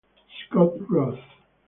Scott Roth